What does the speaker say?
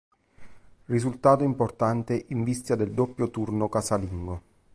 Risultato importante in vista del doppio turno casalingo.